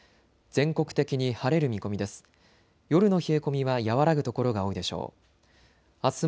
全国的に晴れる見込みです。